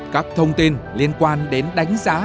các thông tin liên quan đến đánh giá